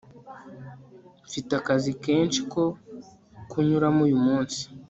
mfite akazi kenshi ko kunyuramo uyu munsi